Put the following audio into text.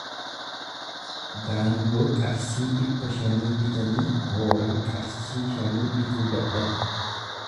Gaangoo qarshii dhibba shanii bitanii kooraa qarshii shanii bituu dadhabu.